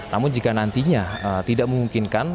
namun jika nantinya tidak memungkinkan